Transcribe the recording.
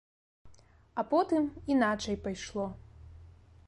А потым іначай пайшло.